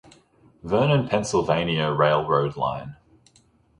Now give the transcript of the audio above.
Vernon Pennsylvania Railroad line.